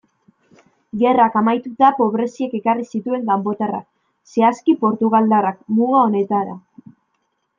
Gerrak amaituta, pobreziak ekarri zituen kanpotarrak, zehazki portugaldarrak, muga honetara.